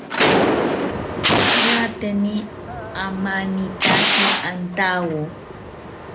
Ñaateni amanitaki antawo